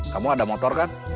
kamu ada motor kan